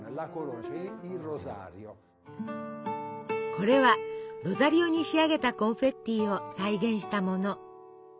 これはロザリオに仕上げたコンフェッティを再現したもの。